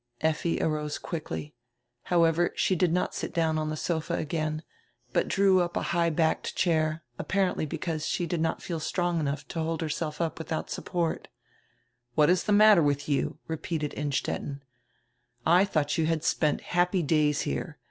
Effi arose quickly. However, she did not sit down on the sofa again, but drew up a high backed chair, apparently because she did not feel strong enough to hold herself up without support "What is die matter with you? "repeated Innstetten. "I thought you had spent happy days here.